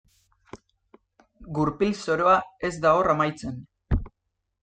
Gurpil zoroa ez da hor amaitzen.